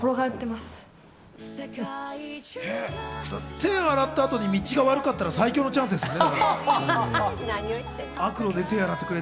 手を洗った後に道が悪かったら最強のチャンスですね。